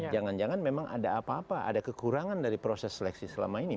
jangan jangan memang ada apa apa ada kekurangan dari proses seleksi selama ini